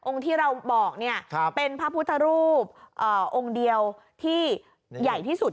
ที่เราบอกเนี่ยเป็นพระพุทธรูปองค์เดียวที่ใหญ่ที่สุด